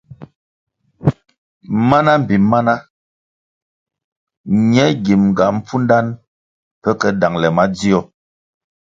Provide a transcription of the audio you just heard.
Mana mbpi mana ñe gimʼnga pfundanʼ pe ke dangʼle madzio.